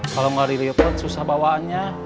kalo gak dilipat susah bawaannya